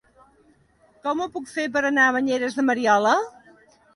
Com ho puc fer per anar a Banyeres de Mariola?